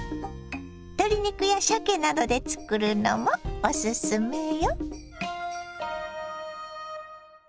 鶏肉やしゃけなどで作るのもおすすめよ。